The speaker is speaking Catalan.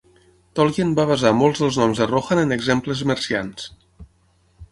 Tolkien va basar molts dels noms de Rohan en exemples mercians.